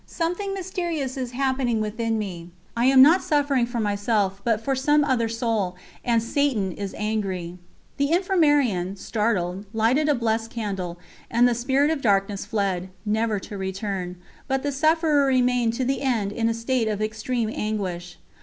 Something mysterious is happening within me. I am not suffering for myself, but for some other soul, and satan is angry." The Infirmarian, startled, lighted a blessed candle, and the spirit of darkness fled, never to return; but the sufferer remained to the end in a state of extreme anguish.